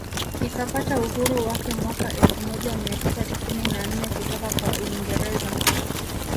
Ikapata uhuru wake mwaka elfu moja mia tisa tisini na nne kutoka kwa Uingereza